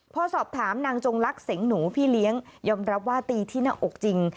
พอสอบถามนางจงลักษ์เสงหนูพี่เลี้ยงยอมรับว่าตีที่หน้าอกจริง